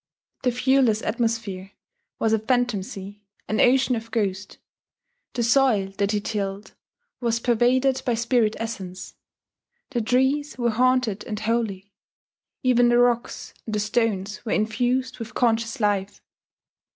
The viewless atmosphere was a phantom sea, an ocean of ghost; the soil that he tilled was pervaded by spirit essence; the trees were haunted and holy; even the rocks and the stones were infused with conscious life